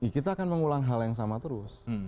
kita akan mengulang hal yang sama terus